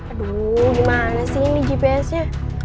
aduh gimana sih ini gps nya